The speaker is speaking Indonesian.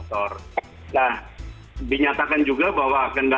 jangan dikatakan rada